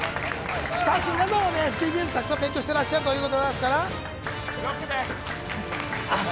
しかし、皆さんもたくさん勉強していらっしゃるということですから。